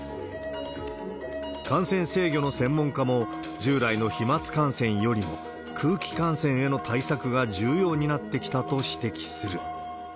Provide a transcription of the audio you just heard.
感染制御の専門家も、従来の飛まつ感染よりも空気感染への対策が重要になってきたと指摘する。